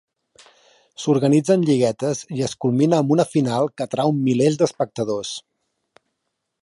S'organitzen lliguetes i es culmina amb una final que atrau milers d'espectadors.